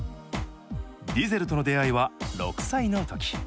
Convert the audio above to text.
ディゼルとの出会いは６歳の時。